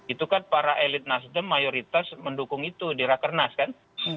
itu kan para elit nasdem mayoritas mendukung itu di rakernas kan